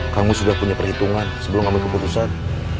kamus sudah punya perhitungan sebelum kamu keputusan